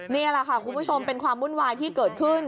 นี่แหละค่ะคุณผู้ชมเป็นความวุ่นวายที่เกิดขึ้น